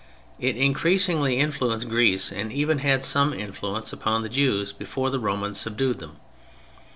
It increasingly influenced Greece and even had some influence upon the Jews before the Romans subdued them.